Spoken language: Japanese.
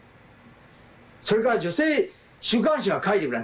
それから女性週刊誌は書いてくれん。